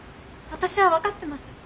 私は分かってます。